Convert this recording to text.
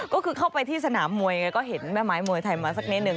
ก็คือเข้าไปที่สนามมวยไงก็เห็นแม่ไม้มวยไทยมาสักนิดหนึ่ง